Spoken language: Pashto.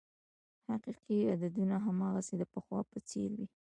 حقیقي عددونه هماغسې د پخوا په څېر وې.